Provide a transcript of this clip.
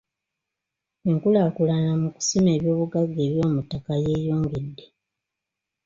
Enkulaakulana mu kusima ebyobugagga eby'omuttaka yeeyongedde.